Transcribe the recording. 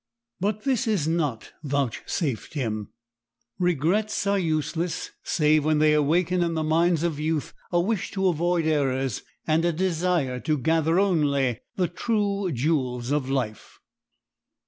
But this is not vouchsafed him. Regrets are useless, save when they awaken in the minds of youth a wish to avoid errors and a desire to gather only the true "jewels of life."